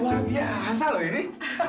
wah biasa loh ini